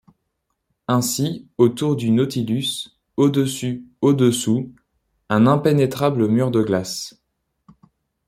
Ainsi, autour du Nautilus, au-dessus, au-dessous, un impénétrable mur de glace.